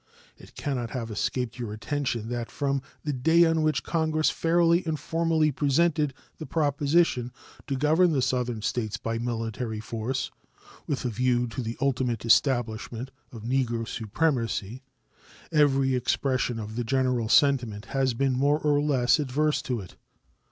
It can not have escaped your attention that from the day on which Congress fairly and formally presented the proposition to govern the Southern States by military force, with a view to the ultimate establishment of Negro supremacy, every expression of the general sentiment has been more or less adverse to it.